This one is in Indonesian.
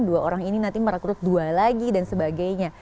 dua orang ini nanti merekrut dua lagi dan sebagainya